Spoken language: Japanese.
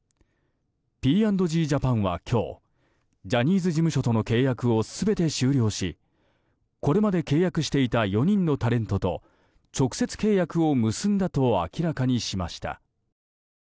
Ｐ＆Ｇジャパンは今日ジャニーズ事務所との契約を全て終了し、これまで契約していた４人のタレントと直接契約を結んだと明らかにしました。